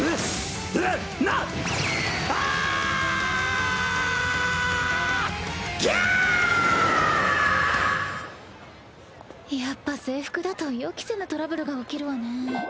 えっ⁉やっぱ制服だと予期せぬトラブルが起きるわねぇ。